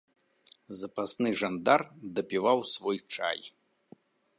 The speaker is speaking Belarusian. Запасны жандар дапіваў свой чай.